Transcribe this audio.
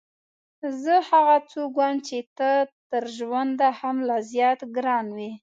زه هغه څوک وم چې ته تر ژونده هم لا زیات ګران وې.